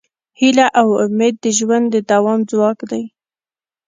هیله او امید د ژوند د دوام ځواک دی.